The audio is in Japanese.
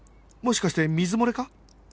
もしかして水漏れか？